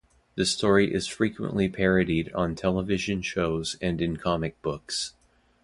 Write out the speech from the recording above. The story is frequently parodied on television shows and in comic books.